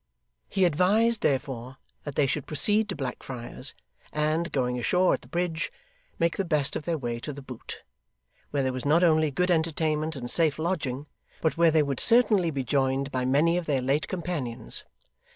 He advised, therefore, that they should proceed to Blackfriars, and, going ashore at the bridge, make the best of their way to The Boot; where there was not only good entertainment and safe lodging, but where they would certainly be joined by many of their late companions.